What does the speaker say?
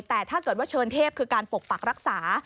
แต่ถ้าเกิดว่าเชิญเทพคือการปกปักรักษา